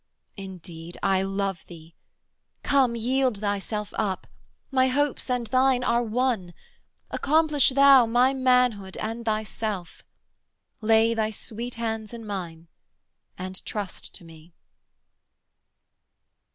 Indeed I love thee: come, Yield thyself up: my hopes and thine are one: Accomplish thou my manhood and thyself; Lay thy sweet hands in mine and trust to me.'